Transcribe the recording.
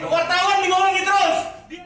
wartawan dibohongi terus